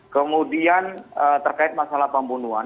kemudian terkait masalah pembunuhan